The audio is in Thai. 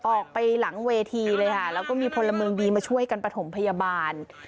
ออกไปหลังเวทีเลยค่ะแล้วก็มีพลเมืองดีมาช่วยกันประถมพยาบาล